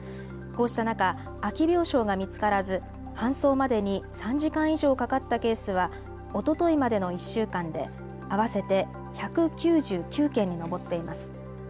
こうした中、空き病床が見つからず搬送までに３時間以上かかったケースはおとといまでの１週間で合わせて１９９件に上っています。